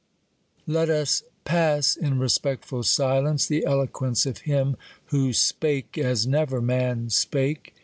Let us pass in respectful silence the eloquence ofHim, who "spake, as neverman spake."